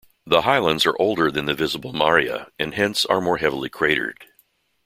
The highlands are older than the visible maria, and hence are more heavily cratered.